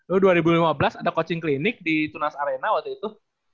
oh dua ribu lima belas ada coaching klinik di tunas arena waktu itu